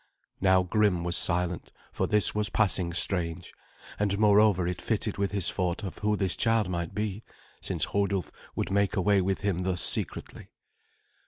Now Grim was silent, for this was passing strange, and moreover it fitted with his thought of who this child might be, since Hodulf. would make away with him thus secretly.